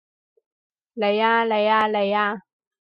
嚟吖嚟吖嚟吖